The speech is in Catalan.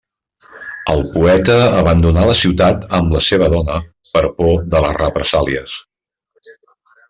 El poeta abandona la ciutat amb la seva dona per por de les represàlies.